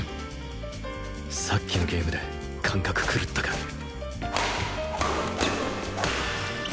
さっきのゲームで感覚狂ったか